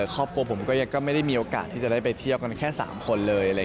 ครอบครัวผมก็ไม่ได้มีโอกาสที่จะได้ไปเที่ยวกันแค่๓คนเลย